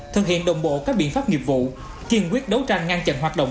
thực hiện đồng bộ các biện pháp nghiệp vụ kiên quyết đấu tranh ngăn chặn hoạt động